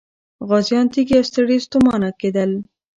غازيان تږي او ستړي ستومانه کېدل.